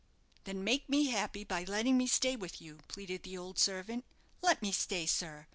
"Then make me happy by letting me stay with you," pleaded the old servant. "Let me stay, sir.